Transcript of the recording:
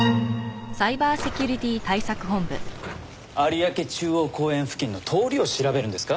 有明中央公園付近の通りを調べるんですか？